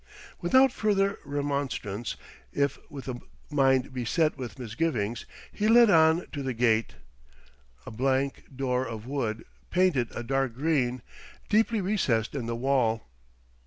Without further remonstrance, if with a mind beset with misgivings, he led on to the gate a blank door of wood, painted a dark green, deeply recessed in the wall.